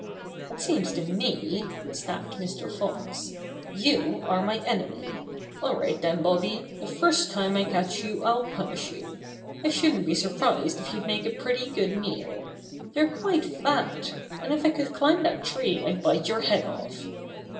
"It seems to me," snapped Mr. Fox, "you are my enemy. All right then, Bobby, the first time I catch you I'll punish you. I shouldn't be surprised if you'd make a pretty good meal. You're quite fat, and if I could climb that tree I'd bite your head off."